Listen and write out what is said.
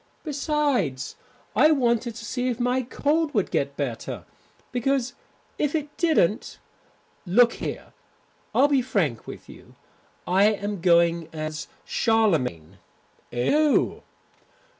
Besides, I wanted to see if my cold would get better. Because if it didn't Look here, I'll be frank with you. I am going as Charlemagne." "Oh!"